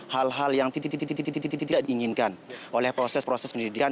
hal hal yang tidak diinginkan oleh proses proses pendidikan